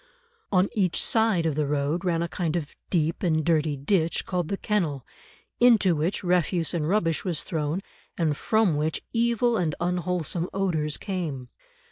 On each side of the road ran a kind of deep and dirty ditch called the kennel, into which refuse and rubbish was thrown, and from which evil and unwholesome odours came.